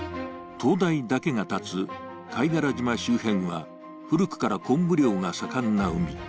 灯台だけが建つ貝殻島周辺は古くから昆布漁が盛んな海。